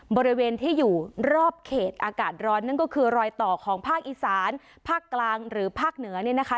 บริเวณที่อยู่รอบเขตอากาศร้อนนั่นก็คือรอยต่อของภาคอีสานภาคกลางหรือภาคเหนือเนี่ยนะคะ